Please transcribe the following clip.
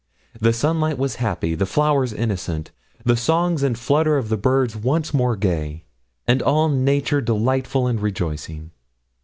The sunlight was happy, the flowers innocent, the songs and flutter of the birds once more gay, and all nature delightful and rejoicing.